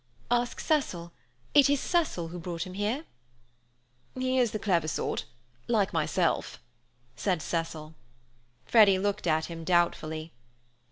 "Ask Cecil; it is Cecil who brought him here." "He is the clever sort, like myself," said Cecil. Freddy looked at him doubtfully.